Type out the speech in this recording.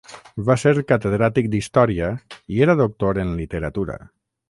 Va ser catedràtic d'Història i era doctor en Literatura.